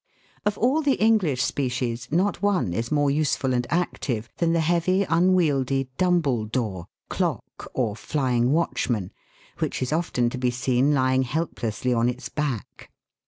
Of all the English species not one is more useful and active than the heavy, unwieldy Dumble Dor, Clock, or Flying Watchman, which is often to be seen lying help lessly on its back.